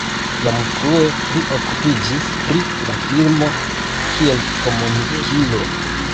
Jam frue li okupiĝis pri la filmo kiel komunikilo.